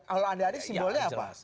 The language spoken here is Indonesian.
kalau andi arief simbolnya apa